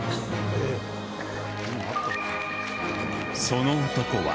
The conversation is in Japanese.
その男は。